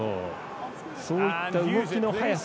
そういった動きの速さ